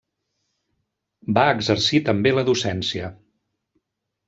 Va exercir també la docència.